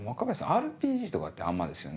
ＲＰＧとかってあんまですよね？